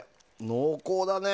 濃厚だね。